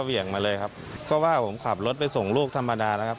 เหวี่ยงมาเลยครับก็ว่าผมขับรถไปส่งลูกธรรมดาแล้วครับ